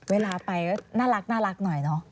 เวลาไปก็น่ารักหน่อยเนอะ